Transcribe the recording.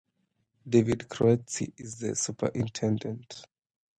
David Kroeze is the Superintendent.